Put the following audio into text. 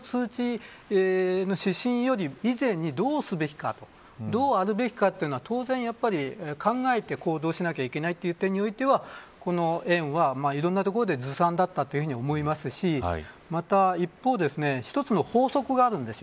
その指針以前にどうすべきかというどうあるべきかというのを、当然考えて行動しなければいけないという点においては、この園はいろんなところでずさんだったと思いますしまた、一方で一つの法則があるんです。